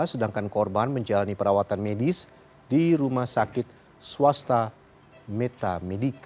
sedangkan korban menjalani perawatan medis di rumah sakit swasta metamedik